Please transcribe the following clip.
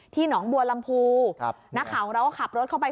หนองบัวลำพูนักข่าวของเราก็ขับรถเข้าไป